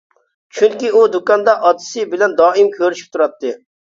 چۈنكى ئۇ دۇكاندا ئاتىسى بىلەن دائىم كۆرۈشۈپ تۇراتتى.